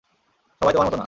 সবাই তোমার মতো না।